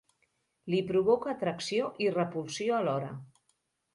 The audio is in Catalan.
Li provoca atracció i repulsió alhora.